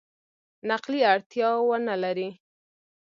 نقلي اړتیا ونه لري.